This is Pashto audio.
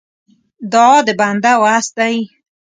دعا د بنده وس دی.